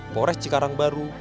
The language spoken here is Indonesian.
polres cikarang baru